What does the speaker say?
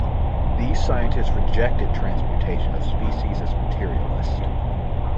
These scientists rejected transmutation of species as materialist.